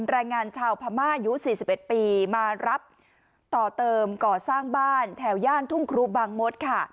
แรงงานชาวพม่าอายุ๔๑ปีมารับต่อเติมก่อสร้างบ้านแถวย่านทุ่งครูบางมดค่ะ